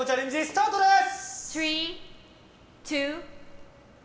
スタートです！